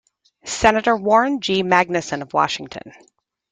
Senator Warren G. Magnuson of Washington.